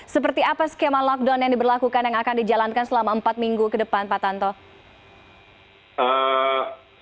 seperti apa skema lockdown yang diberlakukan yang akan dijalankan selama empat minggu ke depan pak tanto